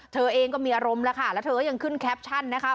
เธอเองก็มีอารมณ์แล้วค่ะแล้วเธอก็ยังขึ้นแคปชั่นนะคะ